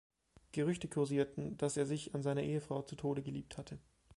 Gerüchte kursierten, dass er sich an seiner Ehefrau zu Tode geliebt hatte.